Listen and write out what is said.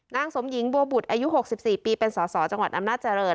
นางสมหญิงบัวบุตรอายุ๖๔ปีเป็นสอสอจังหวัดอำนาจริง